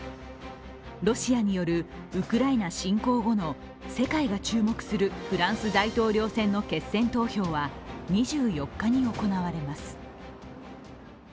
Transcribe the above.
ロシアによるウクライナ侵攻後の世界が注目するフランス大統領選の決選投票は２４日に行われます。